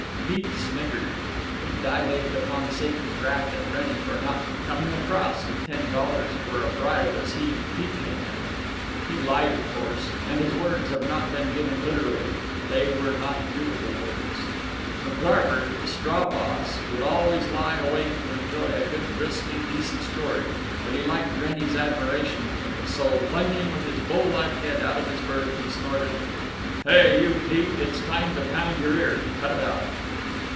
Pete sniggered. He dilated upon Satan's wrath at Wrennie for not "coming across" with ten dollars for a bribe as he, Pete, had done. (He lied, of course. And his words have not been given literally. They were not beautiful words.) McGarver, the straw boss, would always lie awake to enjoy a good brisk indecent story, but he liked Wrennie's admiration of him, so, lunging with his bull like head out of his berth, he snorted: "Hey, you, Pete, it's time to pound your ear. Cut it out."